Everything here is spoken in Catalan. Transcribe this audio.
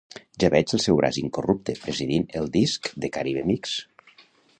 Ja veig el seu braç incorrupte presidint el disc de "Caribe Mix".